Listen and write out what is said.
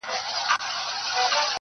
څه عجيبه جوارگر دي اموخته کړم.